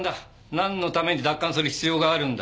なんのために奪還する必要があるんだ？